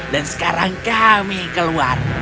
dan sekarang kami keluar